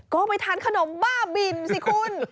ก็ไปทานขนมบ้าบินสิคุณ